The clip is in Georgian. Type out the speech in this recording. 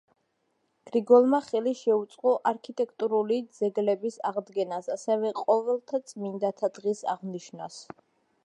გრიგოლმა ხელი შეუწყო არქიტექტურული ძეგლების აღდგენას, ასევე ყოველთა წმინდანთა დღის აღნიშვნას.